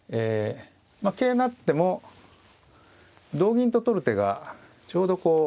桂成っても同銀と取る手がちょうどこう。